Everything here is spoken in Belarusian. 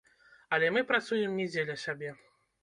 Але мы працуем не дзеля сябе.